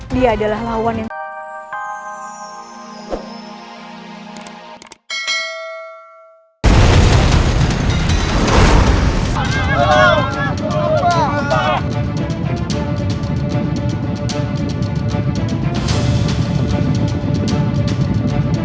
dia adalah lawan yang